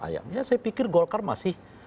sayangnya saya pikir golkar masih